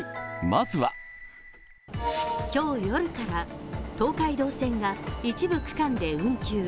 まずは今日夜から東海道線が一部区間で運休。